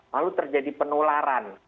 lalu terjadi penularan